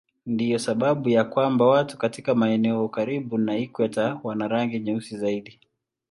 Ndiyo sababu ya kwamba watu katika maeneo karibu na ikweta wana rangi nyeusi zaidi.